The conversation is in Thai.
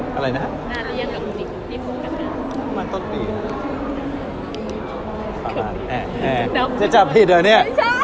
ทำไมต้องแบบเอ๊ะคนนี้หรือว่าคนนี้